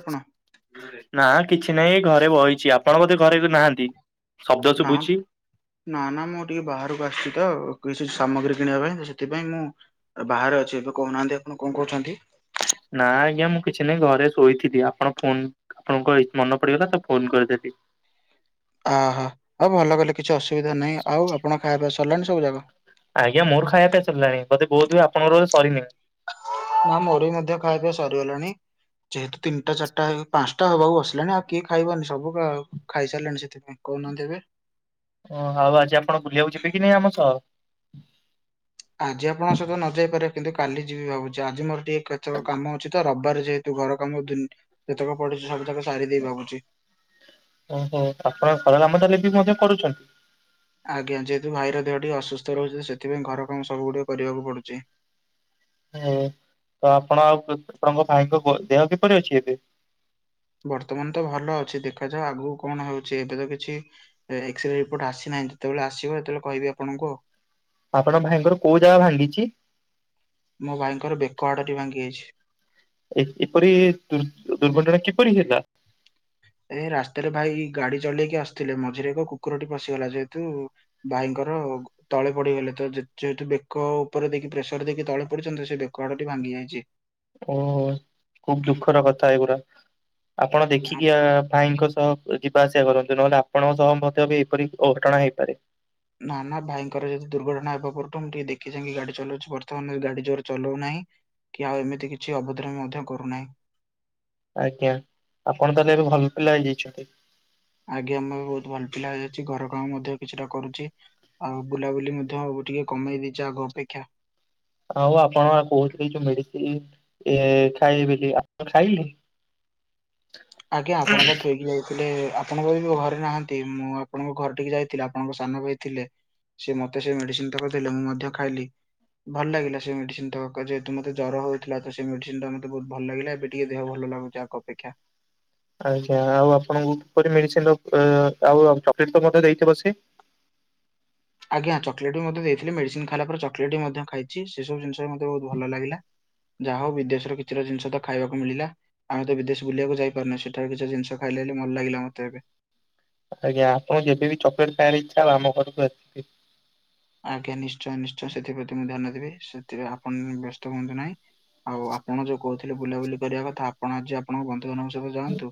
କଣ? ନା କିଛି ନାହିଁ ଘରେ ବଇଚି ଆପଣ ବୋଧେ ଘରେ ନାହାନ୍ତି ଶବ୍ଦ ନା ଶୁଭୁଚି। ନା, ନା ମୁଁ ଟିକେ ବାହାରକୁ ଆସିଚି ତ କିଛି ସାମଗ୍ରୀ କିଣିବା ପାଇଁ ସେଥିପାଇଁ ମୁଁ ବାହାରେ ଅଛି ଏବେ କହୁନାହାନ୍ତି ଆପଣ କଣ କହୁଚନ୍ତି? ନାଁ ଆଜ୍ଞା ମୁଁ କିଛି ନାହିଁ ଘରେ ଶୋଇଥିଲି, ଆପଣ ଫୋନ ଆପଣଙ୍କ ମନେ ପଡିଗଲା ତ ଫୋନ କରିଦେଲି। ଅହୋ, ଆଉ ଭଲ କଲେ କିଛି ଅସୁବିଧା ନାହିଁ। ଆଉ ଆପଣ ଖାଇବା ପିଇବା ସରିଲାଣି ସବୁ ଜାକ। ଆଜ୍ଞା ମୋର ଖାଇବା ପିଇବା ସରିଲାଣି, ବୋଧେ ବୋଧହୁଏ ଆପଣଙ୍କର ସରିନି? ନା ମୋରି ମଧ୍ୟ ଖାଇବା ପିଇବା ସରିଗଲାଣି। ଯେହେତୁ ତିନିଟା ଚାରିଟାଇ ପାଞ୍ଚଟା ହେବାକୁ ବସିଲାଣି ଆଉ କିଏ ଖାଇବନି ସବୁ ଖାଇସାରିଲଣି ସେଥି କହୁନାହାନ୍ତି ଏବେ। ଓହ ଆଉ ଆଜି ଆପଣ ବୁଲିବାକୁ ଯିବେ କି ନାଇଁ ଆମ ସହ? ଆଜି ଆପଣ ସହିତ ନ ଯାଇ ପାରିବେ କିନ୍ତୁ କାଲି ଯିବି ଭାବୁଚି ଆଜି ମୋର ଟିକେ କେତେକ କାମ ଅଛି ତ ରବିବାର ତୁ ଘର କାମ [unintelligible] ଯେତେକ ପଡୁଚି ସବୁଯାକ ସାରି ଦେଇ ଭାବୁଚି। ଓହୋ ଆପଣ ଘର କାମ [unintelligible] ବି ମଧ୍ୟ କରୁଛନ୍ତି। ଆଜ୍ଞା ଯେହେତୁ ଭାଇର ଦେହ ଟିକ ଅସୁସ୍ଥ ରହୁଚି ସେଥିପାଇଁ ଘର କାମ ସବୁ ଗୁଡିକ କରିବାକୁ ପଡୁଚି। ହୁ ତ ଆପଣ ଆଉ ଆପଣଙ୍କ ଭାଇଙ୍କ ଦେହ କିପରି ଅଛି ଏବେ? ବର୍ତ୍ତମାନ ତ ଭଲ ଅଛି, ଦେଖାଯାଉ ଆଗକୁ କଣ ହୋଉଚି। ଏବେ ତ କିଛି ଏକ୍ସରେ ରିପୋର୍ଟ ଆସିନାହିଁ ଯେତେବେଳେ ଆସିବ ସେତେବେଳେ କହିବି ଆପଣଙ୍କୁ। ଆପଣ ଭାଇଙ୍କର କୋଉ ଜାଗା ଭାଙ୍ଗିଚି? ମୋ ଭାଇଙ୍କର ବେକ ହାଡ ଟି ଭାଙ୍ଗି ଯାଇଛି। ଏ-ଏପରି ଦୁ-ଦୁର୍ଘଟଣା କିପରି ହେଲା? ଏ ରାସ୍ତାରେ ଭାଇ ଗାଡି ଚଲେଇକି ଆସୁଥିଲେ ମଝିରେ ଏକ କୁକୁରଟି ପଶିଗଲା ଯେହେତୁ ଭାଇଙ୍କର ତଳେ ପଡିଗଲେ ତ ଯେ-ଯେହେତୁ ବେକ ଉପରେ ଦେଇକି ପ୍ରେସର ଦେଇକି ତଳେ ପଡିଛନ୍ତି, ସେ ବେକ ହାଡ ଟି ଭାଙ୍ଗି ଯାଇଛି। ଓହୋ ଖୁବ ଦୁଃଖର କଥା ଏଗୁରା। ଆପଣ ଦେଖିକି ଆ ଭାଇଙ୍କ ସହ ଯିବା ଆସିଆ କରନ୍ତୁ, ନହେଲେ ଆପଣଙ୍କ ସହ ମଧ୍ୟ ବି ଏପରି ଅଘଟଣା ହେଇପାରେ। ନା ନା ଭାଇଙ୍କର ଯେହେତୁ ଦୁର୍ଘଟଣା ହେବା ପରଠୁ ମୁଁ ଟିକେ ଦେଖି ଚାହିଁକି ଗାଡି ଚଲଉଛି, ବର୍ତ୍ତମାନ ଗାଡି ଜୋର ଚଲଉ ନାହିଁ। କି ଆଉ ଏମିତି କିଛି ଅଭଦ୍ରାମି ମଧ୍ୟ କରୁନାହିଁ। ଆଜ୍ଞା, ଆପଣ ତାହେଲେ ଏବେ ଭଲ ପିଲା ହେଇଯାଇଛନ୍ତି। ଆଜ୍ଞା, ମୁଁ ଏବେ ବହୁତ ଭଲ ପିଲା ହେଇ ଯାଇଚି, ଘର କାମ ମଧ୍ୟ କିଛିଟା କରୁଚି। ଆଉ ବୁଲାବୁଲି ମଧ୍ୟ ଏବେ ଟିକେ କମେଇ ଦେଇଛି ଆଗ ଅପେକ୍ଷା। ଆଉ ଆପଣ କହୁଥିଲେ ଯୋଉ ମେଡିସିନି ଏ ଖାଇବେ ବୋଲି ଆପଣ ଖାଇଲେ? [inaudible] ଆଜ୍ଞା ଆପଣ ବା ଥୋଇକି ଯାଇ ଥିଲେ ଆପଣଙ୍କ ଘରେ ନାହାନ୍ତି ମୁଁ ଆପଣଙ୍କ ଘରେ ଟିକେ ଯାଇଥିଲି ଆପଣଙ୍କ ସାନ ଭାଇ ଥିଲେ। ସେ ମତେ ସେ ମେଡ଼ିସିନ ତକ ଦେଲେ ମୁଁ ମଧ୍ୟ ଖାଇଲି। ଭଲ ଲାଗିଲ ସେ ମେଡିସିନ ତକ ଯେହେତୁ ମୋତ ଜର ହଉଥିଲା, ତ ସେ ମେଡିସିନ ଟା ମତେ ବହୁତ ଭଲ ଲାଗିଲା, ଏବେ ଟିକେ ଦେହ ଭଲ ଲାଗୁ ଯାକ ଅପେକ୍ଷା। ଆଜ୍ଞା ଆଉ ଆପଣଙ୍କୁ କିପରି ମେଡିସିନ ର ଆଉ ଚକଲେଟ ତ ମଧ୍ୟ ଦେଇଥିବ ସେ? ଆଜ୍ଞା ଚକଲେଟ ବି ମଧ୍ୟ ଦେଇଥିଲେ। ମେଡିସିନ ଖାଇଲା ପରେ ଚକଲେଟ ବି ମଧ୍ୟ ଖାଇଚି ସେ ସବୁ ଜିନିଷ ମତେ ବହୁତ ଭଲ ଲାଗିଲା। ଯା ହଉ ବିଦେଶର କିଛିଟା ଜିନିଷ ତ ଖାଇବାକୁ ମିଳିଲା। ଆମେ ତ ବିଦେଶ ବୁଲିଆକୁ ଯାଇପାରୁନେ, ସେଠାରୁ କିଛି ଜିନିଷ ଖାଇଲେ ହେଲେ ଭଲ ଲାଗିଲା ମତେ ଏବେ। ଆଜ୍ଞା ଆପଣ ଯେବେ ବି ଚକଲେଟ ଖାଇଆର ଇଚ୍ଛା ହବ ଆମ ଘରକୁ ଆସ ଆଜ୍ଞା ନିଶ୍ଚୟ ନିଶ୍ଚୟ ସେଥିପ୍ରତି ମୁଁ ଧ୍ୟାନ ଦେବି ସେଥିରେ ଆପଣ ବ୍ୟସ୍ତ ହୁଅନ୍ତୁ ନାଇଁ। ଆଉ ଆପଣ ଯୋଉ କହୁଥିଲେ ବୁଲାବୁଲି କରିବା କଥା ଆପଣ ଆଜି ଆପଣଙ୍କ ବ ନ୍ଧୁ ମାନଙ୍କ ସହିତ ଯାଆନ୍ତୁ,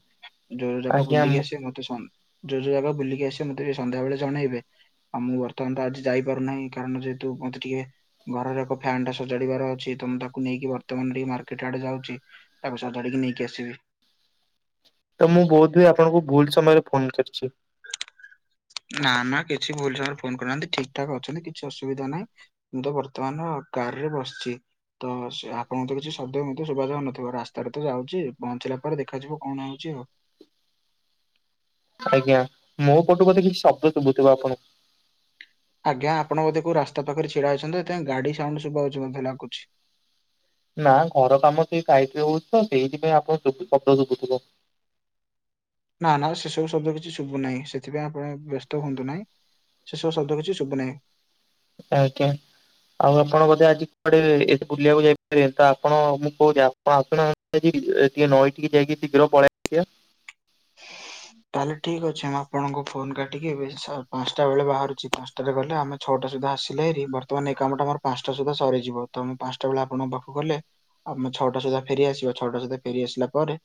ଯୋଉ ଜାଗା ଆଜ୍ଞା ବୁଲିକି ମୁଁ ଆସିବେ ମ ତେ ସନ୍ ଯୋଉ ଯୋଉ ଜାଗା ବୁଲିକି ଆସିବେ ମତେ ସନ୍ଧ୍ୟାବେଳେ ଜଣେଇବେ, ଆଉ ମୁଁ ବର୍ତ୍ତମାନ ତ ଆଜି ଯାଇପାରୁନାହିଁ କାରଣ ଯେହେତୁ ମତେ ଟିକେ ଘରର ଏକ ଫ୍ୟାନ ଟା ସଜାଡ଼ିବାର ଅଛି ତ ମୁଁ ତାକୁ ନେଇକି ବର୍ତ୍ତମାନ ଟିକେ ମାର୍କେଟ ଆଡେ ଯାଉଚି। ତାକୁ ସଜାଡ଼ିକି ନେଇକି ଆସିବି। ତ ମୁଁ ବୋଧ ହୁଏ ଆପଣଙ୍କୁ ଭୁଲ ସମୟରେ ଫୋନ କରିଚି? ନା ନା କିଛି ଭୁଲ ସମୟରେ ଫୋନ କରନାହାନ୍ତି ଠିକ ଠାକ ଅଛନ୍ତି କିଛି ଅସୁବିଧା ନାହିଁ। ମୁଁ ତ ବର୍ତ୍ତମାନ କାର ରେ ବସିଚି। ତ ସେ ଆପଣଙ୍କୁ ତ କିଛି ଶବ୍ଦ ମଧ୍ୟ ଶୁଭା ଯାଉନଥିବ ରାସ୍ତାରେ ତ ଯାଉଚି ପହଞ୍ଚିଲା ପରେ ଦେଖାଯିବ କଣ ହଉଚି ଆଉ। ଆଜ୍ଞା, ମୋ ପଟୁ ବୋଧେ କିଛି ଶବ୍ଦ ଶୁଭୁଥିବ ଆପଣଙ୍କୁ। ଆଜ୍ଞା ଆପଣ ବୋଧେ କୋଉ ରାସ୍ତା ପାଖରେ ଛିଡା ହେଇଛନ୍ତି, ସେଥିପାଇଁ ଗାଡି ସାଉଣ୍ଡ ଶୁଭା ଯାଉଚି ମଧ୍ୟ ଲାଗୁଚି। ନା ଘର କାମ ସେ ସାଇଟରେ ହଉଛି ତ, ସେଇଥିପାଇଁ ଆପଣଙ୍କୁ ଶବ୍ଦ ଶୁଭୁ ଥିବ। ନା ନା ସେସବୁ ଶବ୍ଦ କିଛି ଶୁଭୁ ନାହିଁ ସେଥିପାଇଁ ଆପଣ ବ୍ୟସ୍ତ ହୁଅନ୍ତୁ ନାହିଁ। ସେସବୁ ଶବ୍ଦ କିଛି ଶୁଭ ନାହିଁ। ଆଜ୍ଞା। ଆଉ ଆପଣ ବୋଧେ ଆଜି କୁଆଡେ ଏ ବୁଲିବାକୁ ଯାଇପାରିବେନି ତ ଆପଣ ମୁଁ କହୁଚି ଆପ ଣ ଆସୁନ ଟିକେ ନଈ ଟିକେ ଯାଇକି ଶୀଘ୍ର ପଳେଇ ଆସିଆ। ତାହେଲେ ଠିକ ଅଛି ମୁଁ ଆପଣଙ୍କୁ ଫୋନ କାଟିକି ଏବେ ପାଞ୍ଚଟା ବେଳେ ବାହାରୁଚି ପାଞ୍ଚ ଟାରେ ଗଲେ ଆମେ ଛଅଟା ସୁଧା ଆସିଲେ ହେରି ବର୍ତ୍ତମାନ ଏ କାମଟା ମୋର ପାଞ୍ଚଟା ସୁଦ୍ଧା ସରିଯିବ, ତ ମୁଁ ପାଞ୍ଚଟା ବେଳେ ଆପଣଙ୍କ ପାଖକୁ ଗଲେ ଆମେ ଛଅଟା ସୁଦ୍ଧା ଫେରି ଆସିବା। ଛଅଟା ସୁଦ୍ଧା ଫେରି ଆସିଲା ପରେ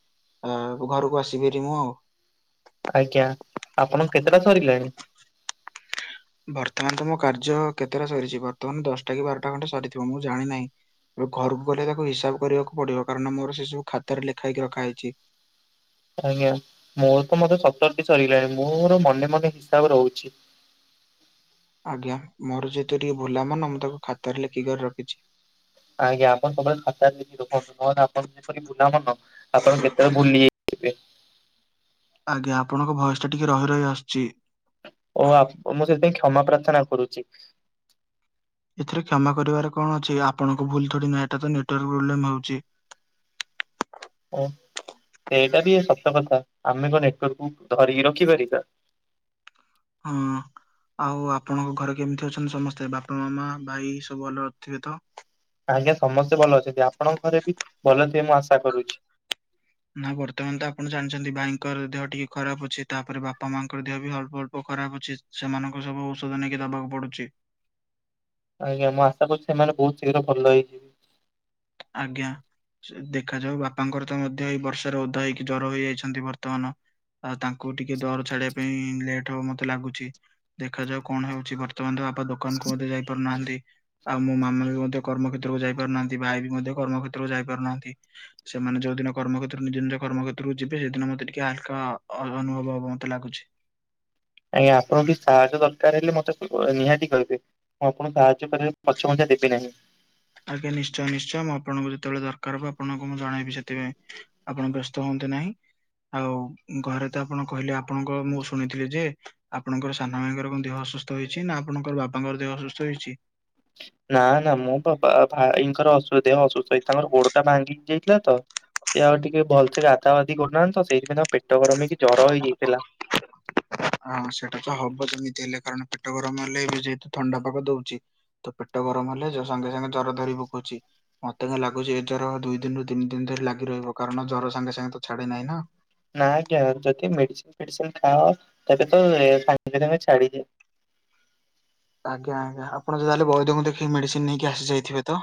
ଆ ଘରୁକୁ ଆସିବି ହେରି ମୁଁ। ଆଜ୍ଞା। ଆପଣଙ୍କ କେତେଟା ସରିଲାଣି? ବର୍ତ୍ତମାନ ତ ମୋ କାର୍ଯ୍ୟ କେତେଟା ସରିଛି, ବର୍ତ୍ତମାନ ଦଶଟା କି ବାରଟା ଖଣ୍ଡେ ସରିଥିବ ମୁଁ ଜାଣିନାହିଁ। ଏବେ ଘରକୁ ଗଲେ ତାକୁ ହିସାବ କରିବାକୁ ପଡିବ। କାରଣ ମୋର ସେ ସବୁ ଖାତାରେ ଲେଖା ହେଇକି ରଖା ହେଇଛି। ଆଜ୍ଞା ମୋର ତ ମତେ ସତରଟି ସରିଗଲାଣି। ମୁଁର ମନେ ମନେ ହିସାବ ରହୁଛି। ଆଜ୍ଞା ମୋର ଯେହେତୁ ଟିକେ ଭୁଲା ମନ ମୁଁ ତାକୁ ଖାତାରେ ଲେଖିକରି ରଖିଛି। ଆଜ୍ଞା ଆପଣ ସବୁବେଳେ ଖାତାରେ ଟିପି ରଖନ୍ତୁ। ନହଲେ ଆପଣ ଯେପରି ଭୁଲାମନ। ଆପଣ କେତେବେଳେ ଭୁଲି ଯାଇଥିବେ। ଆଜ୍ଞା ଆପଣଙ୍କ ଭୟସ୍ ଟା ଟିକେ ରହି ରହି ଆସୁଛି। ଓ ଆପ୍ ମୁଁ ସେଥିପାଇଁ କ୍ଷମା ପ୍ରାର୍ଥନା କରୁଛି। ଏଥିରେ କ୍ଷମା କରିବାରେ କଣ ଅଛି। ଆପଣଙ୍କୁ ଭୁଲ ଥୋଡି ନା ଏଟା ତ ନେଟାର୍ ପ୍ରୋବ୍ଲେମ ହଉଛି। ଓ ସେଇଟା ବି ସତ କଥା। ଆମେ କଣ ନେଟ୍ୱାର୍କକୁ ଧରିକି ରଖିପାରିବା। ହୁଁ। ଆଉ ଆପଣଙ୍କ ଘରେ କେମିତି ଅଛନ୍ତି ସମସ୍ତେ। ବାପା ମାମା ଭାଇ ସବୁ ଭଲ ଥିବେ ତ। ଆଜ୍ଞା ସମସ୍ତେ ଭଲ ଅଛନ୍ତି। ଆପଣଙ୍କ ଘରେ ବି ଭଲ ଥିବେ ମୁଁ ଆଶା କରୁଛି। ନା ବର୍ତ୍ତମାନ ତ ଆପଣ ଜାଣିଛନ୍ତି ଭାଇଙ୍କର ଦେହ ଟିକେ ଖରାପ ଅଛି। ତାପରେ ବାପା ମାଙ୍କର ଦେହ ବି ଅଳ୍ପ ଅଳ୍ପ ଖରାପ ଅଛି। ସେମାନଙ୍କୁ ସବୁ ଔଷଧ ନେଇକି ଦବାକୁ ପଡୁଛି। ଆଜ୍ଞା ମୁଁ ଆଶା କରୁଛି ସେମାନେ ବହୁତ ଶୀଘ୍ର ଭଲ ହେଇଯିବେ। ଆଜ୍ଞା। ଦେଖାଯାଉ ବାପାଙ୍କର ତ ମଧ୍ୟ ଏଇ ବର୍ଷାରେ ଓଧା ହେଇକି ଜ୍ଵର ହେଇଯାଇଛନ୍ତି ବର୍ତ୍ତମାନ। ଆଉ ତାଙ୍କୁ ଟିକେ ଦର ଛାଡିବା ପାଇଁ ଲେଟ୍ ହବ ମତେ ଲାଗୁଛି। ଦେଖାଯାଉ କଣ ହଉଛି? ବର୍ତ୍ତମାନ ତ ବାପା ଦୋକାନକୁ ମଧ୍ୟ ଯାଇ ପାରୁନାହାନ୍ତି। ଆଉ ମୋ ମାମା ବି ମଧ୍ୟ କର୍ମକ୍ଷେତ୍ରକୁ ଯାଇ ପାରୁନାହାନ୍ତି। ଭାଇ ବି ମଧ୍ୟ କର୍ମକ୍ଷେତ୍ରକୁ ଯାଇ ପାରୁନାହାନ୍ତି। ସେମାନେ ଯୋଉ ଦିନ କର୍ମ କ୍ଷେତ୍ରରେ ନିଜ ନିଜ କର୍ମକ୍ଷେତ୍ରକୁ ଯିବେ ସେଦିନ ମତେ ଟିକେ ହଲକା ଅ ଅନୁଭବ ହବ ମୋତେ ଲାଗୁଛି। ଆଜ୍ଞା ଆପଣଙ୍କୁ କି ସାହାଯ୍ୟ ଦରକାର ହେଲେ ମତେ ନିହାତି କହିବେ। ମୁଁ ଆପଣ ସାହାଯ୍ୟ କରିବାରେ ପଛ ଘୁଞ୍ଚା ଦେବେ ନାହିଁ। ଆଜ୍ଞା ନିଶ୍ଚୟ ନିଶ୍ଚୟ। ମୁଁ ଆପଣଙ୍କୁ ଯେତେବେଳେ ଦରକାର ହବ ଆପଣଙ୍କୁ ମୁଁ ଜଣେଇବି। ସେଥିପାଇଁ ଆପଣ ବ୍ୟସ୍ତ ହୁଅନ୍ତୁ ନାହିଁ। ଆଉ ଘରେ ତ ଆପଣ କହିଲେ ଆପଣଙ୍କ ମୁଁ ଶୁଣିଥିଲି ଯେ ଆପଣଙ୍କର ସାନ ଭାଇଙ୍କର କଣ ଦେହ ଅସୁସ୍ଥ ହେଇଛି। ନା ଆପଣଙ୍କର ବାପାଙ୍କର ଦେହ ଅସୁସ୍ଥ ହେଇଛି। ନା ନା ମୋ ବାପ ଭାଇଙ୍କର ଦେହ ଅସୁସ୍ଥ ତାଙ୍କର ଗୋଡ ଟା ଭାଙ୍ଗି ଯାଇଥିଲା ତ। ସେ ଆଉ ଟିକେ ଭଲସେ ଗାଧା ବାଧି କରୁନାହାନ୍ତି ତ ସେଇଥିପାଇଁ ପେଟ ଗରମ ହେଇକି ଜର ହେଇଯାଇଥିଲା। ହଁ ସେଟା ତ ହବ ଯେମିତି ହେଲେ। କାରଣ ପେଟ ଗରମ ହେଲେ ଏବେ ଯେହେତୁ ଥଣ୍ଡା ପାଗ ଦଉଛି। ତ ପେଟ ଗରମ ହେଲେ ସାଙ୍ଗେ ସାଙ୍ଗେ ଜର ଧରି ପକଉଚି। ମତେ ତ ଲାଗୁଛି ଏ ଜର ଦୁଇ ଦିନରୁୁ ତିନି ଦିନ ଧରି ଲାଗି ରହିବ। କାରଣ ଜର ସାଙ୍ଗେ ସାଙ୍ଗେ ତ ଛାଡେ ନାହିଁ ନା। ନା ଆଜ୍ଞା ଯଦି ମେଡିସିନ ଫେଡିସିନ ଖାଅ। ତେବେ ତ ସାଙ୍ଗେ ସାଙ୍ଗେ ଛାଡିଯାଏ। ଆଜ୍ଞା ଆଜ୍ଞା ଆପଣ ତାହେଲେ ବୈଦଙ୍କୁ ଦେଖେଇ ମେଡିସିନ ନେଇକି ଆସି ଯାଇଥିବେ ତ।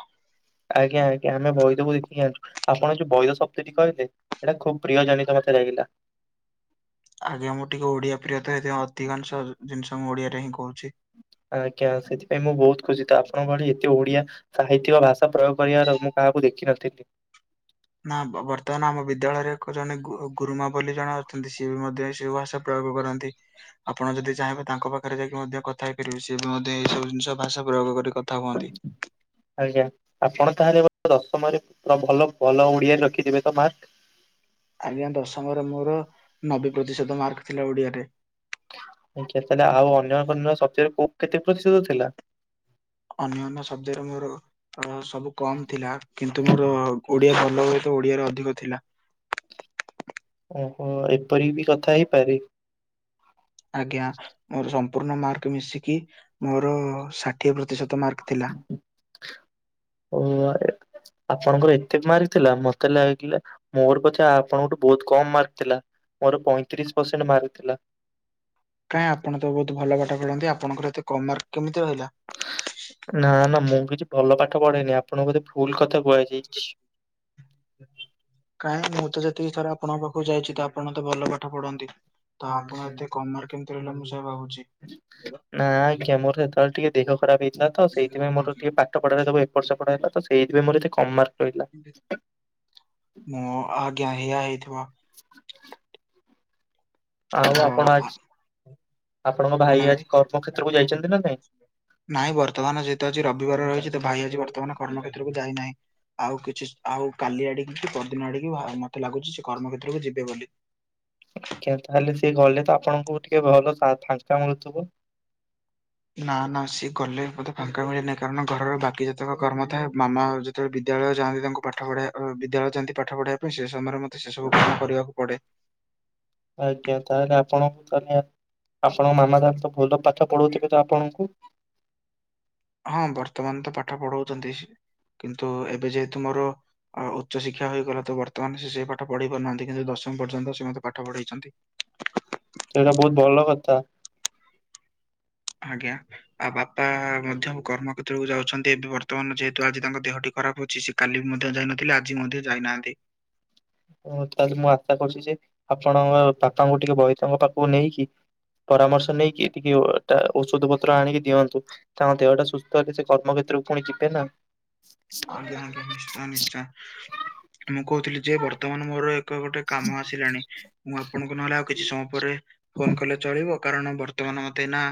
ଆଜ୍ଞା ଆଜ୍ଞା ଆମେ ବୈଦକୁ ଦେଖିକି ଆାଣିଛୁ। ଆପଣ ଯୋଉ ବୈଧ ଶବ୍ଦଟି କହିଲେ। ଏଇଟା ଖୁବ ପ୍ରିୟ ଜନିତ ମତେ ଲାଗିଲା। ଆଜ୍ଞା ମୁଁ ଟିକେ ଓଡିଆ ପ୍ରିୟତ। ହେଇଥି ପାଇଁ ଅଧିକାଂଶ ଜିନିଷ ମୁଁ ଓଡିଆରେ ହିଁ କହୁଛି। ଆଜ୍ଞା ସେଥିପାଇଁ ମୁଁ ବହୁତ ଖୁସି ତ। ଆପଣଙ୍କ ଭଳି ଏତେ ଓଡିଆ ସାହିତ୍ୟିକ ଭାଷା ପ୍ରୟୋଗ କରିବାର ମୁଁ କାହାକୁ ଦେଖିନଥିଲି। ନା ବର୍ତ୍ତମାନ ଆମ ବିଦ୍ୟାଳୟରେ ଏକ ଜଣେ ଗୁ-ଗୁରୁମା ବୋଲି ଜଣେ ଅଛନ୍ତି। ସିଏ ବି ମଧ୍ୟ ସେଇ ଭାଷା ପ୍ରୟୋଗ କରନ୍ତି। ଆପଣ ଯଦି ଚାହିଁବେ ତାଙ୍କ ପାଖରେ ଯାଇକି ମଧ୍ୟ କଥା ହେଇପାରିବେ। ସିଏ ମଧ୍ୟ ଏଇ ସବୁ ଜିନିଷ ଭାଷା ପ୍ରୟୋଗ କରି କଥା ହୁଅନ୍ତି। ଆଜ୍ଞା ଆପଣ ତାହେଲେ ଦଶମରେ ପୁରା ଭଲ ଭଲ ଓଡିଆରେ ରଖିଥିବେ ତ ମାର୍କ। ଆଜ୍ଞା ଦଶମରେ ମୋର ନବେ ପ୍ରତିଶତ ମାର୍କ ଥିଲା ଓଡିଆରେ। ଆଜ୍ଞା ତାହେଲେ ଆଉ ଅନ୍ୟ ଅନ୍ୟ ଶବ୍ଦ୍ୟରେ କୋଉ କେତେ ପ୍ରତିଶତ ଥିଲା। ଅନ୍ୟ ଅନ୍ୟ ଶବ୍ଦରେ ମୋର ସବୁ କମ୍ ଥିଲା। କିନ୍ତୁ ମୋର ଓଡିଆ ଭଲ ହୁଏତ ଓଡିଆରେ ଅଧିକ ଥିଲା। ଓହୋ ଏପରି ବି କଥା ହେଇପାରେ। ଆଜ୍ଞା ମୋର ସମ୍ପୂର୍ଣ୍ଣ ମାର୍କ ମିଶିକି ମୋର ଷାଠିଏ ପ୍ରତିଶତ ମାର୍କ ଥିଲା। [unintelligible] ଆପଣଙ୍କର ଏତେ ମାର୍କ ଥିଲା ମତେ ଲାଗିଲା ମୋର ପଛେ ଆପଣଙ୍କଠୁ ବହୁତ କମ୍ ମାର୍କ ଥିଲା। ମୋର ପଇଁତିରିଶ ପର୍ସେଣ୍ଟ୍ ମାର୍କ ଥିଲା। କାଇଁ ଆପଣ ତ ବୋହୁତ୍ ଭଲ ପାଠ ପଢ଼ନ୍ତି ଆପଣଙ୍କର ଏତେ କମ୍ ମାର୍କ କେମିତି ରହିଲା। ନା ନା ମୁଁ କିଛି ଭଲ ପାଠ ପଢେଇନି ଆପଣଙ୍କୁ ବୋଧେ ଭୁଲ କଥା କୁହାଯାଇଛି। କାଇଁ ମୁଁ ତ ଯେତିକି ଥର ଆପଣଙ୍କ ପାଖକୁ ଯାଇଛି ତ ଆପଣ ତ ଭଲ ପାଠ ପଢନ୍ତି। ତ ଆପଣ ଏତେ କମ୍ ମାର୍କ କେମିତି ରହିଲା ମୁଁ ସେଇଆ ଭାବୁଛି। ନା ଆଜ୍ଞା ମୋର ସେତେବେଳେ ଟିକେ ଦେହ ଖରାପ ହେଇଥିଲା ତ ସେଇଥିପାଇଁ ମୋର ଟିକେ ପା ଟି ପଢ଼ାରେ ସବୁ ଏପଟ ସେପଟ ହେଲା ତ ସେଇଥି ପାଇଁ ମୋର ଏତେ କମ୍ ମାର୍କ ରହିଲା। ମୁଁ ଆଜ୍ଞା ହେଇଆ ହେଇଥିବ। ଆଉ ତ ଆପଣ ଆଜି ଆପଣଙ୍କ ଭାଇ କହୁନାହାନ୍ତି। ଆଜି କର୍ମକ୍ଷେତ୍ରକୁ ଯାଇଛନ୍ତି ନା ନାଇଁ? ନାଇଁ ବର୍ତ୍ତମାନ ଯେହେତୁ ଆଜି ରବିବାର ରହିଛି ତ ଭାଇ ଆଜି ବର୍ତ୍ତମାନ କର୍ମକ୍ଷେତ୍ରକୁ ଯାଇନାହିଁ। ଆଉ କିଛି ଆଉ କାଲି ଆଡି଼କି କି ପରଦିନ ଆଡି଼କି ଭାଇ ମତେ ଲାଗୁଛି ସେ କର୍ମକ୍ଷେତ୍ରକୁ ଯିବେ ବୋଲି। ଆଜ୍ଞା ତାହେଲେ ସିଏ ଗଲେ ତ ଆପଣଙ୍କୁ ଟିକେ ଭଲ ସା ଫାଙ୍କା ମିଳୁଥିବ। ନା ନା ସିଏ ଗଲେ ମତେ ଫାଙ୍କା ମିଳେ ନାହିଁ କାରଣ ଘର ବାକି ଜେତେକ କରମ ଥାଏ ମାମା ଜ୍ ତେବେ ବିଦ୍ୟାଳୟ ଯାଆନ୍ତି ତାଙ୍କୁ ପାଠ ପଢ଼େଇବା ଅ ବିଦ୍ୟାଳୟ ଯାଆନ୍ତି ପାଠ ପଢ଼େଇବା ପାଇଁ ସେ ସମୟରେ ମତେ ସେ ସବୁ କାମ କରିବାକୁ ପଡ଼େ। ଆଜ୍ଞା ତାହେଲେ ଆପଣଙ୍କୁ ତାହେଲେ ଆପଣଙ୍କ ମାମା ତାହାଲେ ତ ଭଲ ପାଠ ପଢ଼ଉଥିବେ ତ ଆପଣଙ୍କୁ? ହଁ ବର୍ତ୍ତମାନ ତ ପାଠ ପଢ଼ଉଛନ୍ତି କିନ୍ତୁ ଏବେ ଯେହେତୁ ମୋର ଆ ଉଚ୍ଚ ଶିକ୍ଷା ହୋଇଗଲା ତ ବର୍ତ୍ତମାନ ସେ ସେଇ ପାଠ ପଢେ଼ଇ ପାରୁନାହାନ୍ତି କିନ୍ତୁ ଦଶମ ପର୍ଯ୍ୟନ୍ତ ସେ ମତେ ପାଠ ପଢେ଼ଇଛନ୍ତି। ସେଇଟା ବୋହୁତ୍ ଭଲ କଥା। ଆଜ୍ଞା। ଆଉ ବାପା ମଧ୍ୟ କର୍ମ କ୍ଷେତ୍ରକୁ ଯାଉଛନ୍ତି ଏବେ ବର୍ତ୍ତମାନ ଯେହେତୁ ଆଜି ତାଙ୍କ ଦେହ ଟି ଖରାପ ଅଛି ସେ କାଲି ବି ମଧ୍ୟ ଯାଇନଥିଲେ ଆଜି ମଧ୍ୟ ଯାଇନାହାନ୍ତି। ତାହେଲେ ମୁଁ ଆଶା କରୁଛି ଯେ ଆପଣଙ୍କ ପାପାଙ୍କୁ ଟିକେ ବୈତଙ୍କ ପାଖକୁ ନେଇକି ପରାମର୍ଶ ନେଇକି ଟିକେ ଓ ଟା ଔଷଧ ପତ୍ର ଆଣିକି ଦିଅନ୍ତୁ। ତାଙ୍କ ଦେହଟା ସୁସ୍ଥ ହେଲେ ସେ କର୍ମକ୍ଷେତ୍ରକୁ ପୁଣି ଯିବେ ନା। ଆଜ୍ଞା ଆଜ୍ଞା ନିଶ୍ଚୟ ନିଶ୍ଚୟ ମୁଁ କହୁଥିଲି ଯେ ବର୍ତ୍ତମାନ ମୋର ଏ କ ଗୋଟେ କାମ ଆସିଲାଣି, ମୁଁ ଆପଣଙ୍କୁ ନହେଲେ ଆଉ କିଛି ସମୟ ପରେ ଫୋନ କଲେ ଚଳିବ କାରଣ ବର୍ତ୍ତମାନ ମତେ ଏଇନା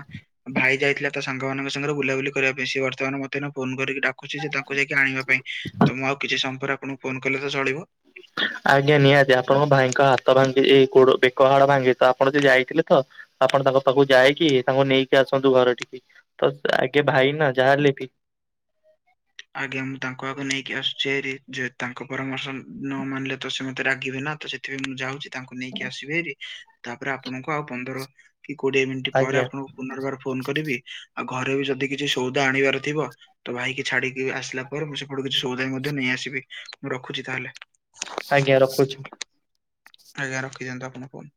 ଭାଇ ଯାଇଥିଲା ତା ସାଙ୍ଗ ମାନଙ୍କ ସାଙ୍ଗରେ ବୁଲାବୁଲି କରିବା ପାଇଁ। ସେ ବର୍ତ୍ତମାନ ମତେ ଏଇନା ଫୋନ୍ କରିକି ଡାକୁଛି ଯେ ତା କୁ ଯାଇକି ଆଣିବା ପାଇଁ ତ ମୁଁ ଆଉ କିଛି ସମୟ ପରେ ଆପଣଙ୍କୁ ଫୋନ କଲେ ତ ଚଳିବ? ଆଜ୍ଞା ନିହାତି ଆପଣଙ୍କ ଭାଇଙ୍କ ହାତ ଭାଙ୍ଗି ଏଇ ଗୋଡ଼, ବେକ ହାଡ଼ ଭାଙ୍ଗିଚି ତ ଆପଣ ଯେ ଯାଇଥିଲେ ତ। ଆପଣ ତାଙ୍କ ପାଖକୁ ଯାଇକି ତାଙ୍କୁ ନେଇକି ଆସନ୍ତୁ ଘର ଠିକି ତ ଆଗେ ଭାଇ ନା ଯାହାହେଲେ ବି। ଆଜ୍ଞା ମୁଁ ତାଙ୍କୁ ଆଗ ନେଇକି ଆସୁଛି ହେରି ଯେହେତୁ ତାଙ୍କ ପରାମର୍ଶ ନ ମାନିଲେ ତ ସେ ମତେ ରାଗିବେ ନା ତ ସେ ଥିନ୍ ଯାଉଛି। ତାଙ୍କୁ ନେଇକି ଆସିବି ହେରି ତାପରେ ଆପଣଙ୍କୁ ଆଉ ପନ୍ଦର କି କୋଡ଼ିଏ ମିନିଟ୍ ପରେ ଆଜ୍ଞା ଆପଣଙ୍କୁ ପୁନର୍ବାର ଫୋନ୍ କରିବି ଆଉ ଘରେ ବି ଯଦି କିଛି ସଉଦା ଆଣିବାର ଥିବ ତ ଭାଇ କି ଛାଡି଼କି ଆସିଲା ପରେ ମୁଁ ସେପଟୁ କିଛି ସଉଦା ବି ମଧ୍ୟ ନେଇ ଆସିବି ମୁଁ ରଖୁଛି ତାହେଲେ। ଆଜ୍ଞା ରଖୁଛି ମୁଁ। ଆଜ୍ଞା ରଖିଦିଅନ୍ତୁ ଆପଣ ଫୋନ୍।